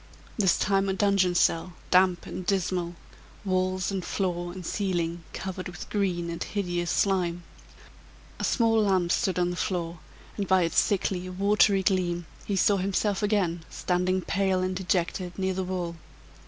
This time a dungeon cell, damp and dismal; walls, and floor, and ceiling covered with green and hideous slime. A small lamp stood on the floor, and by its sickly, watery gleam, he saw himself again standing, pale and dejected, near the wall.